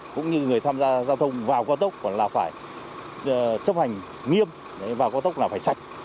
cũng như người tham gia giao thông vào cao tốc là phải chấp hành nghiêm vào cao tốc là phải sạch